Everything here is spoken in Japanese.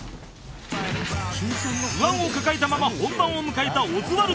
不安を抱えたまま本番を迎えたオズワルド